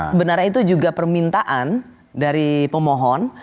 sebenarnya itu juga permintaan dari pemohon